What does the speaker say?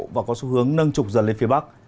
và có xu hướng nâng trục dần lên phía bắc